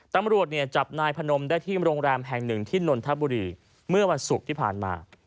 ตำรวจเนี่ยจับนายพนมได้ที่โรงแรมแห่งหนึ่งที่นนทบุรีเมื่อวันศุกร์ที่ผ่านมา